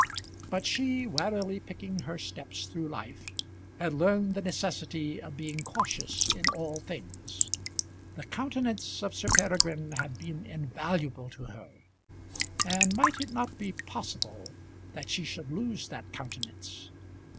But she, warily picking her steps through life, had learned the necessity of being cautious in all things. The countenance of Sir Peregrine had been invaluable to her, and might it not be possible that she should lose that countenance?